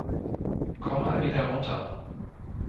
Komm mal wieder runter.